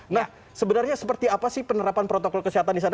nah sebenarnya seperti apa sih penerapan protokol kesehatan di sana